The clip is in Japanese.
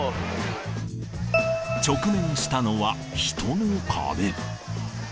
直面したのは人の壁。